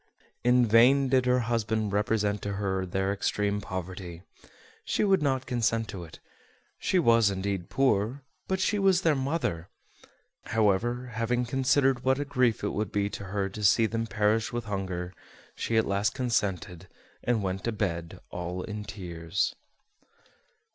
In vain did her husband represent to her their extreme poverty: she would not consent to it; she was indeed poor, but she was their mother. However, having considered what a grief it would be to her to see them perish with hunger, she at last consented, and went to bed all in tears.